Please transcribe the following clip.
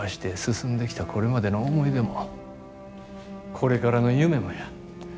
これからの夢もや。